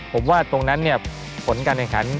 ผมว่าตรงนั้นเนี่ยผลการแข่งขัน